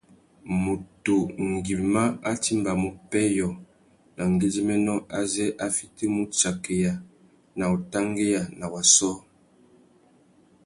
Mutu ngüimá a timbamú pêyô na ngüidjiménô azê a fitimú utsakeya na utangüiana na wa sôō.